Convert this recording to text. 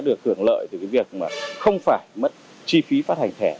được hưởng lợi từ cái việc mà không phải mất chi phí phát hành thẻ